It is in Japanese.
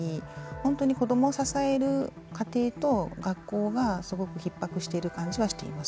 本当に子どもを支える家庭と学校がすごくひっ迫している感じはしています。